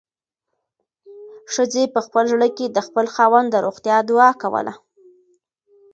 ښځې په خپل زړه کې د خپل خاوند د روغتیا دعا کوله.